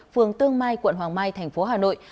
phường tương mai quận hoàng mai thành phố hà nội